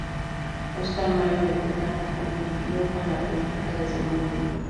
Óscar Mario Beteta convivió con la política desde muy niño.